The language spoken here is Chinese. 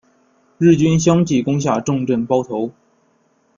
日军相继攻下重镇包头。